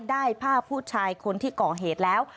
ได้ภาพผู้ชายคนที่ก่อเหตุแล้ว